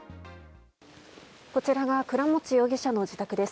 こちらが倉光容疑者の自宅です。